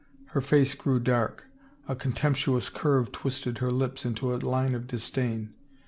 Her face grew dark. A contemptuous curve twisted her lips into a line of disdain.